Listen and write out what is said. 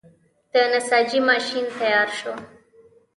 د نساجۍ ماشین تیار شو.